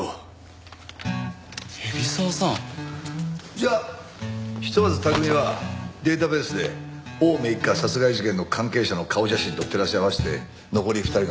じゃあひとまず拓海はデータベースで青梅一家殺害事件の関係者の顔写真と照らし合わせて残り２人の参加者を洗い出してくれ。